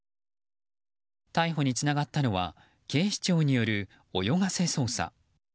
逮捕につながったのは警視庁による泳がせ捜査。